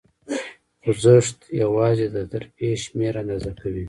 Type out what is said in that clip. خوځښت یواځې د ترفیع شمېر آندازه کوي.